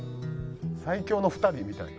『最強のふたり』みたいな。